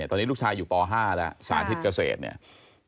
ตอนนี้ลูกชายอยู่ป๕แล้วสาธิตเกษตรเนี่ย